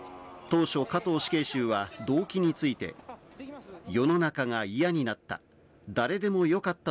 当初、加藤死刑囚は動機について、世の中が嫌になった。